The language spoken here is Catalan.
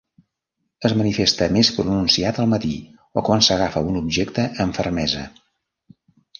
Es manifesta més pronunciat al matí, o quan s'agafa un objecte amb fermesa.